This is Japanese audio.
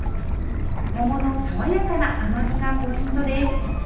桃の爽やかな甘みがポイントです